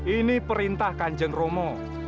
ini perintah kanjeng romo